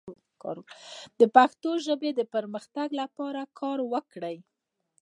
د پښتو ژبې د پرمختګ لپاره کار وکړئ.